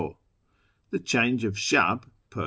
The change of Shab (Pers.)